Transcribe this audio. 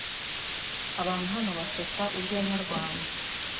Abantu hano baseka urwenya rwanjye.